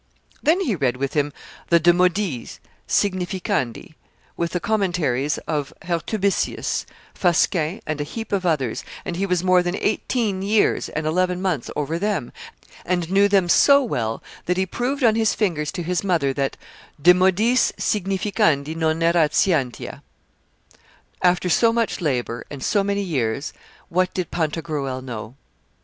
Then he read with him the De Modis significandi, with the commentaries of Hurtebisius, Fasquin, and a heap of others, and he was more than eighteen years and eleven months over them, and knew them so well that he proved on his fingers to his mother that de modis signifieandi non erat scientia. After so much labor and so many years, what did Pantagruel know?